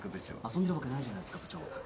遊んでるわけないじゃないですか部長。